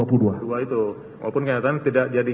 walaupun kelihatan tidak jadi